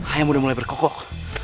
ayam udah mulai berkokok